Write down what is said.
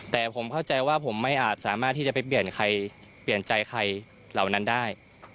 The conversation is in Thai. แต่ผมเข้าใจว่าผมไม่อาจสามารถที่จะไปเปลี่ยนใครเปลี่ยนใจใครเหล่านั้นได้